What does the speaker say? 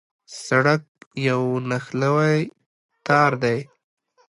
سړک یو نښلوی تار دی.